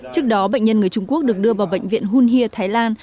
trước đó bệnh nhân người trung quốc được đưa vào bệnh viện hunhia thái lan